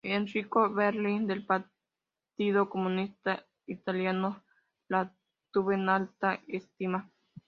Enrico Berlinguer, del Partido Comunista italiano, la tuvo en alta estima.